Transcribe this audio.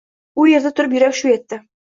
U yerda turib yuragi shuv etadi.